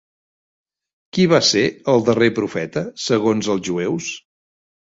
Qui va ser el darrer profeta segons els jueus?